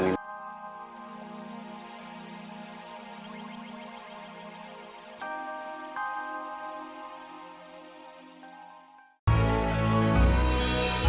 gue pesan dengan kamu nada